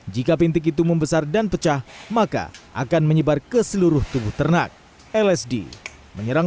jika bintik itu membesar dan pecah maka akan menyebar ke seluruh tubuh ternak lsd menyerang